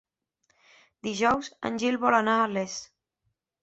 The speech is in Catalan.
Dijous en Gil vol anar a Les.